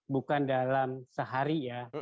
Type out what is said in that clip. bukan dalam sehari ya